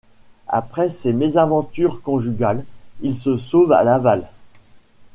Après ses mésaventures conjugales, il se sauve à Laval.